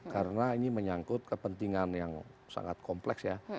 karena ini menyangkut kepentingan yang sangat kompleks ya